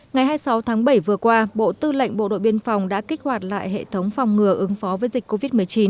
ngày hai mươi sáu tháng bảy vừa qua bộ tư lệnh bộ đội biên phòng đã kích hoạt lại hệ thống phòng ngừa ứng phó với dịch covid một mươi chín